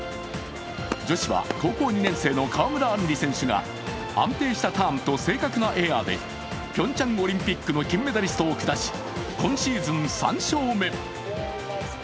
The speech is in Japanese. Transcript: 女子は高校２年生の川村あんり選手が安定したターンと正確なエアでピョンチャンオリンピックの金メダリストを下し今シーズン３勝目。